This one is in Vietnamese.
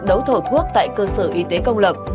đấu thổ thuốc tại cơ sở y tế công lập